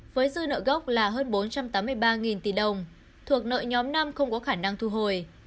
với dư nợ gốc là hơn bốn trăm tám mươi ba tỷ đồng thuộc nợ nhóm năm không có khả năng thu hồi